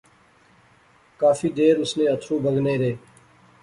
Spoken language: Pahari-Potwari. کافی دیر اس نے اتھرو بغنے رہے